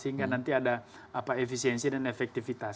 sehingga nanti ada efisiensi dan efektivitas